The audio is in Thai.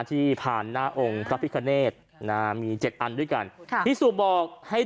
ที่ผ่านหน้าองค์พระพิคเนธนะมีเจ็ดอันด้วยกันค่ะพี่สุบอกให้